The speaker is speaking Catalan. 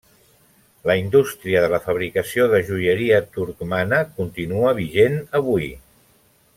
La indústria de la fabricació de joieria turcmana continua vigent avui.